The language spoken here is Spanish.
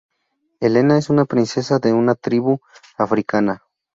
Elena es una princesa de una tribu africana.